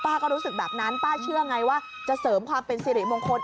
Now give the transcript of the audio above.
ก็รู้สึกแบบนั้นป้าเชื่อไงว่าจะเสริมความเป็นสิริมงคล